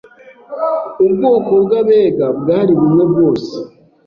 ubwoko bw’Abega bwari bumwe bwose